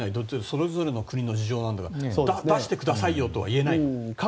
それぞれの国の事情ですから出してくださいよとは言えないでしょ。